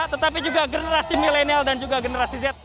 tetapi juga generasi milenial dan juga generasi z